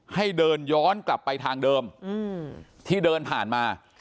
ให้เดินย้อนกลับไปทางเดิมที่เดินผ่านมา